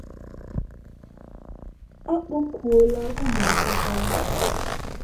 A kpọkuola ụmụakwụkwọ